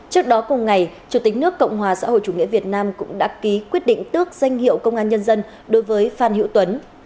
trước đó cùng ngày chủ tịch nước cộng hòa xã hội chủ nghĩa việt nam cũng đã ký quyết định tước danh hiệu công an nhân dân đối với phan hữu tuấn